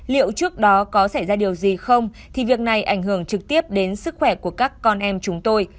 liệu trước đó có xảy ra điều gì không thì việc này ảnh hưởng trực tiếp đến sức khỏe của các con em chúng tôi